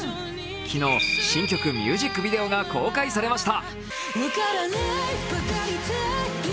昨日、新曲ミュージックビデオが公開されました。